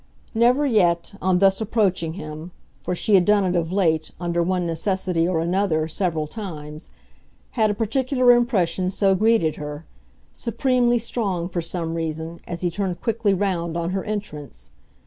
Never yet, on thus approaching him for she had done it of late, under one necessity or another, several times had a particular impression so greeted her; supremely strong, for some reason, as he turned quickly round on her entrance.